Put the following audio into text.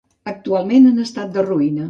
Actualment en estat de ruïna.